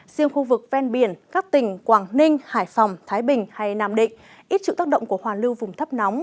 riêng khu vực ven biển các tỉnh quảng ninh hải phòng thái bình hay nam định ít chịu tác động của hoàn lưu vùng thấp nóng